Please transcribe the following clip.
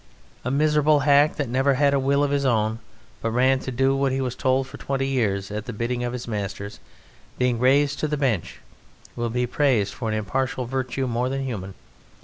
A miserable hack that never had a will of his own, but ran to do what he was told for twenty years at the bidding of his masters, being raised to the Bench will be praised for an impartial virtue more than human.